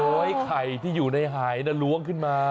ไอ้ไข่ที่อยู่ในหายล้วงขึ้นมา